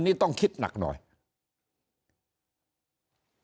ถ้าท่านผู้ชมติดตามข่าวสาร